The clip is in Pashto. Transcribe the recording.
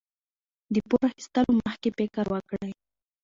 د پور اخیستلو مخکې فکر وکړئ.